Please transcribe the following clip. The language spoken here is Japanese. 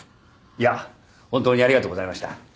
いや本当にありがとうございました。